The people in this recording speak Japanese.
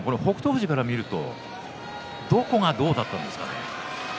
富士から見るとどこがどうだったんですか？